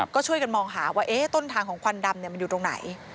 ก็ช่วยกันมองหาว่าต้นทางของควันดำมันอยู่ตรงไหน